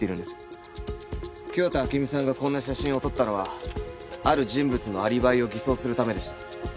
清田暁美さんがこんな写真を撮ったのはある人物のアリバイを偽装するためでした。